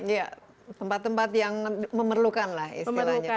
ya tempat tempat yang memerlukan lah istilahnya